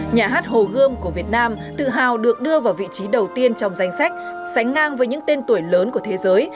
nhà hát hồ gươm của việt nam tự hào được đưa vào vị trí đầu tiên trong danh sách sánh ngang với những tên tuổi lớn của thế giới